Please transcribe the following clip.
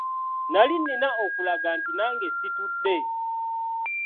Nali nnina okulaga nti nange situdde.